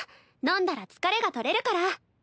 飲んだら疲れが取れるから。